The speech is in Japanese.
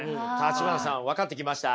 橘さん分かってきました？